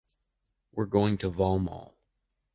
We’re going to Vallmoll.